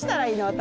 私。